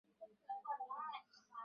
তারা আরেকটু হলে আমাকে খুন করে ফেলছিল!